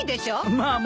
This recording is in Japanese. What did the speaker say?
まあまあ。